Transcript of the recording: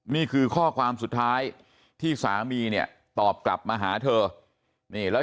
นี่คือข้อความสุดท้ายที่สามีเนี่ยตอบกลับมาหาเธอนี่แล้ว